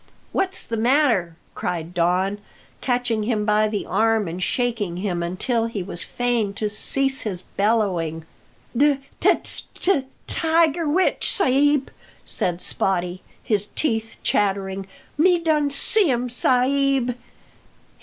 "What's the matter?" cried Don, catching him by the arm and shaking him until he was fain to cease his bellowing. "De t t tiger witch, sa'b!" said Spottie, his teeth chattering. "Me done see um, sa'b!" Just then the captain came up.